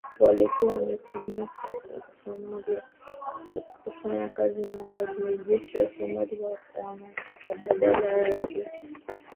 Walikuwa wametumwa Somalia kufanya kazi na wanajeshi wa Somalia na kuwataka badala yake waingie nchini humo mara kwa mara kusaidia